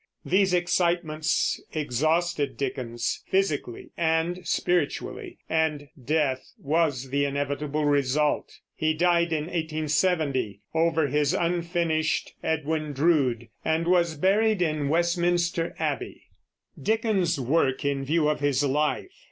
These excitements exhausted Dickens, physically and spiritually, and death was the inevitable result. He died in 1870, over his unfinished Edwin Drood, and was buried in Westminster Abbey. DICKENS'S WORK IN VIEW OF HIS LIFE.